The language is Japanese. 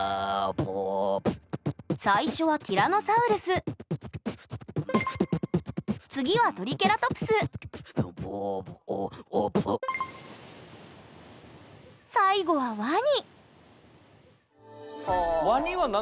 最初はティラノサウルス次はトリケラトプス最後はワニはあ。